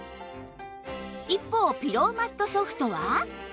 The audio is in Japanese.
一方ピローマット Ｓｏｆｔ は